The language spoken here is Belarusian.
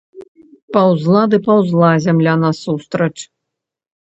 Паўзла ды паўзла зямля насустрач.